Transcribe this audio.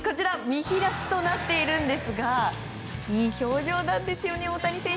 見開きとなっているんですがいい表情なんですよね